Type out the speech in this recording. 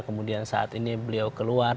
kemudian saat ini beliau keluar